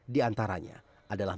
di antaranya adalah